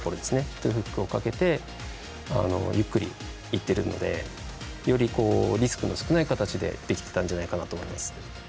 トウフックを掛けてゆっくりいってるのでよりリスクの少ない形でできていたんじゃないかなと思います。